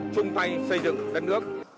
chung tay xây dựng